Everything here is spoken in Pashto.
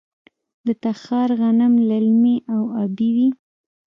د تخار غنم للمي او ابي وي.